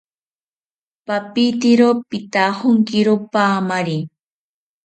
Papitero pitajonkiro paamari